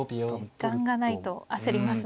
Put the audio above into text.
時間がないと焦りますね。